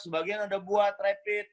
sebagian ada buat rapid